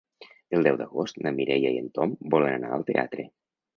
El deu d'agost na Mireia i en Tom volen anar al teatre.